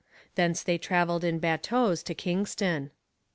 Thence they travelled in bateaux to Kingston.